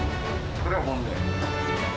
これは本音。